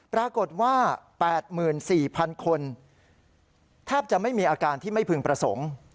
ปรากฏว่า๘๔๐๐๐คนแทบจะไม่มีอาการที่ไม่พึงประสงค์